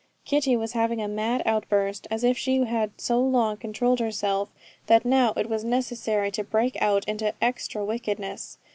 Kitty was having a mad outburst, as if she had so long controlled herself that now it was necessary to break out into extra wickedness.